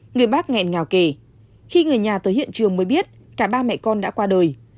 người bác nghẹn ngào kể khi người nhà tới hiện trường mới biết cả ba mẹ con đã qua đời